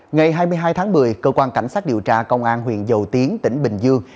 ngày hai mươi hai tháng một mươi cơ quan cảnh sát điều tra công an huyện dầu tiến tỉnh bình dương